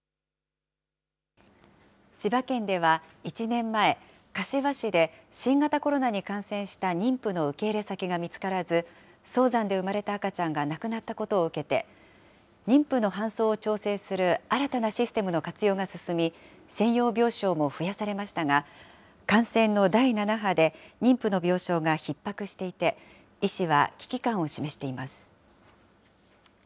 千葉県では１年前、柏市で新型コロナに感染した妊婦の受け入れ先が見つからず、早産で産まれた赤ちゃんが亡くなったことを受けて、妊婦の搬送を調整する新たなシステムの活用が進み、専用病床も増やされましたが、感染の第７波で妊婦の病床がひっ迫していて、医師は危機感を示しています。